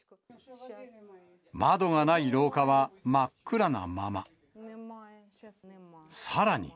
窓がない廊下は真っ暗なまま。